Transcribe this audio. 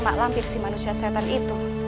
pak lampir si manusia setan itu